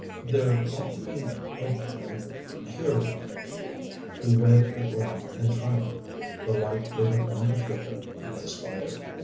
"There ought to be an opening here we are." He waved the lamp in triumph; the light gave a final flicker and expired.